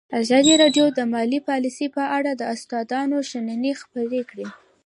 ازادي راډیو د مالي پالیسي په اړه د استادانو شننې خپرې کړي.